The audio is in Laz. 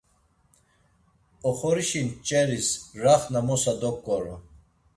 Oxorişi ç̌eris raxna mosa doǩoru.